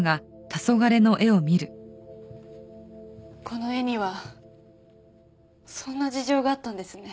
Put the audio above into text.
この絵にはそんな事情があったんですね。